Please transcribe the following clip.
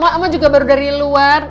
mama juga baru dari luar